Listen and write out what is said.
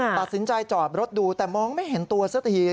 ตัดสินใจจอดรถดูแต่มองไม่เห็นตัวสักที